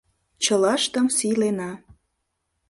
Чылаштым сийлена